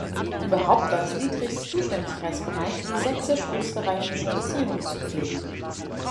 Überhaupt war es Dietrichs Zuständigkeitsbereich, die sächsisch-österreichischen Beziehungen zu pflegen.